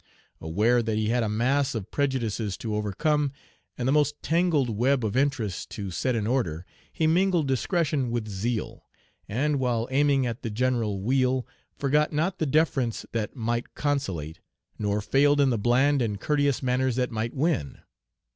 Aware that he had a mass of prejudices to overcome, and the most tangled web of interests to set in order, he mingled discretion with zeal; and, while aiming at the general weal, forgot not the deference that might conciliate, nor failed in the bland and courteous manners that might win.